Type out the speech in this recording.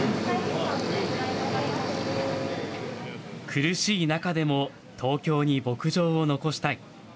苦しい中でも東京に牧場を残したい。